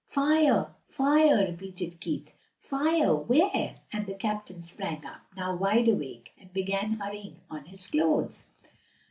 "Fire! fire!" repeated Keith. "Fire? where?" and the captain sprang up, now wide awake, and began hurrying on his clothes.